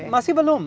masih belum ya